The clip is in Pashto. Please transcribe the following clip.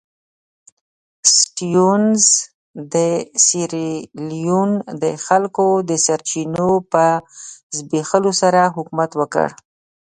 سټیونز د سیریلیون د خلکو د سرچینو په زبېښلو سره حکومت وکړ.